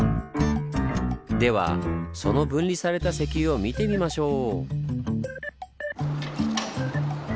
ではその分離された石油を見てみましょう！